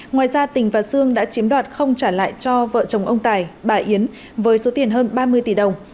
ngoài ra tỉnh và xương đã chiếm đoạt không trả lại cho vợ chồng ông tài bà yến với số tiền hơn ba mươi tỷ đồng